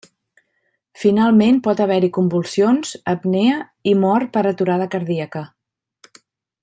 Finalment pot haver-hi convulsions, apnea i mort per aturada cardíaca.